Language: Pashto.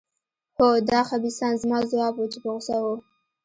هو، دا خبیثان. زما ځواب و، چې په غوسه وو.